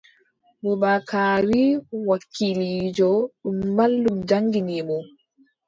Bubakari wakiiliijo, ɗum mallum jaŋngini mo.